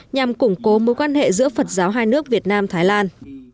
nhằm củng cố mối quan hệ giữa phật giáo hai nước việt nam thái lan